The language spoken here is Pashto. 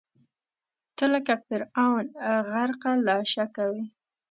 ته لکه فرعون، غرقه له شکه وې